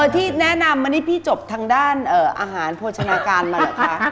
ที่แนะนำอันนี้พี่จบทางด้านอาหารโภชนาการมาเหรอคะ